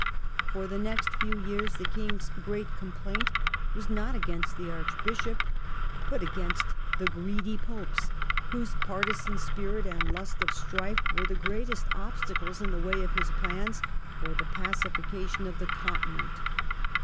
For the next few years the king's great complaint was not against the archbishop, but against the greedy popes, whose partisan spirit and lust of strife were the greatest obstacles in the way of his plans for the pacification of the Continent.